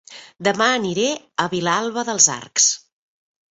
Dema aniré a Vilalba dels Arcs